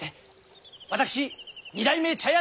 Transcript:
私２代目茶屋